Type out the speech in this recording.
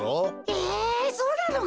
えそうなのか？